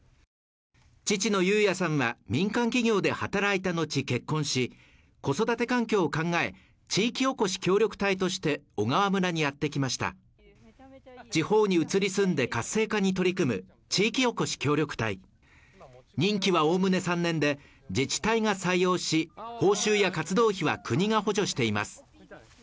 父の雄弥さんは民間企業で働いた後結婚し、子育て環境を考え、地域おこし協力隊として小川村にやってきました地方に移り住んで活性化に取り組む地域おこし協力隊任期はおおむね３年で自治体が採用し、報酬や活動費は国が補助しています。